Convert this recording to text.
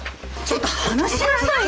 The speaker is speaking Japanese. ちょっと離しなさい。